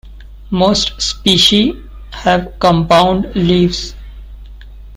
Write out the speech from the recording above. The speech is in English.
Most species have compound leaves.